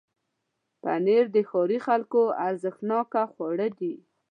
پنېر د ښاري خلکو ارزښتناکه خواړه دي.